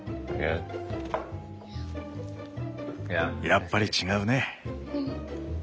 やっぱり違うね。